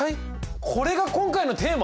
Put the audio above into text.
これが今回のテーマ？